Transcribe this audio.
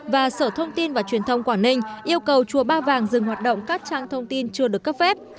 và sở thông tin và truyền thông quảng ninh yêu cầu chùa ba vàng dừng hoạt động các trang thông tin chưa được cấp phép